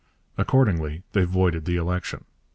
Accordingly they voided the election.